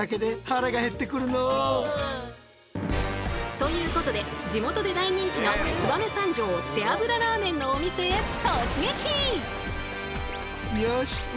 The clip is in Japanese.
ということで地元で大人気の「燕三条背脂ラーメン」のお店へ突撃！